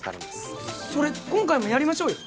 それ今回もやりましょうよ！